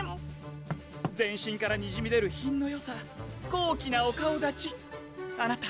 全身からにじみ出る品のよさ高貴なお顔だちあなた